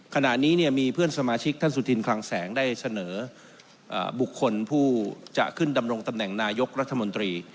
ขณะนี้มีเพื่อนสมาชิกท่านสุธินคลังแสงได้เสนอบุคคลผู้จะขึ้นดำรงตำแหน่งนายกรัฐมนตรี